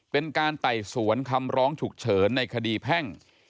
เป็นการไต่สวนคำร้องฉุกเฉินในคดีแพ่ง